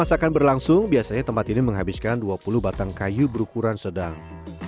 pas akan berlangsung biasanya tempat ini menghabiskan dua puluh batang kayu berukuran sedang